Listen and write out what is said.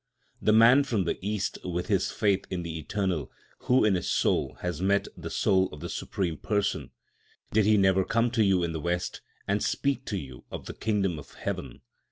The man from the East, with his faith in the eternal, who in his soul had met the touch of the Supreme Person—did he never come to you in the West and speak to you of the Kingdom of Heaven?